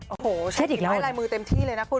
โอ้โหเช็ดอีกแล้วช่วยให้ลายมือเต็มที่เลยนะคุณ